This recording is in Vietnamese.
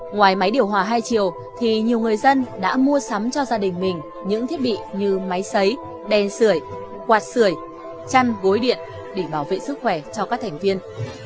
ngoài máy điều hòa hai chiều thì nhiều người dân đã mua sắm cho gia đình mình những thiết bị như máy xấy đèn sửa quạt sửa chăn gối điện để bảo vệ sức khỏe cho các thành viên